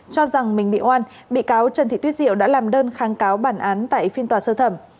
cho rằng mình bị oan bị cáo trần thị tuyết diệu đã làm đơn kháng cáo bản án tại phiên tòa sơ thẩm